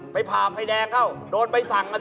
ไปผ่าไฟแดงเข้าโดนไปสั่งกันดิ